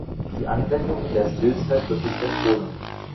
Die Anwendung in der Stillzeit wird nicht empfohlen.